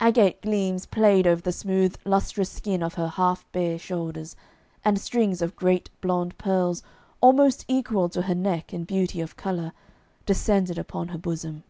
Agate gleams played over the smooth lustrous skin of her half bare shoulders, and strings of great blonde pearls almost equal to her neck in beauty of colour descended upon her bosom.